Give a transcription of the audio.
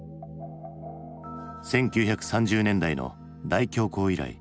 １９３０年代の大恐慌以来